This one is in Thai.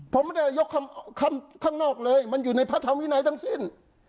ผมไม่ได้ยกคำข้างนอกเลยมันอยู่ในพระธรรมวินัยทั้งสิ้น